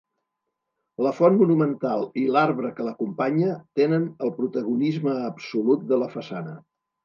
La font monumental i l'arbre que l'acompanya tenen el protagonisme absolut de la façana.